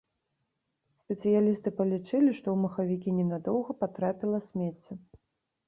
Спецыялісты палічылі, што ў махавікі ненадоўга патрапіла смецце.